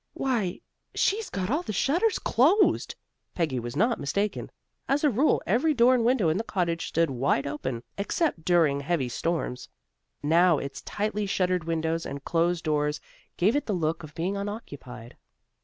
"Why, she's got all the shutters closed!" Peggy was not mistaken. As a rule, every door and window in the cottage stood wide open, except during heavy storms. Now its tightly shuttered windows and closed doors gave it the look of being unoccupied.